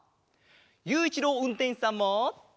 ゆういちろううんてんしさんも！